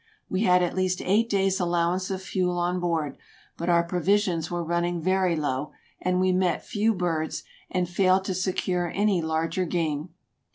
We had at least eight days' allowance of fuel on board; but our pro visions were running very low, and we met few birds, and failed to secure any larger game.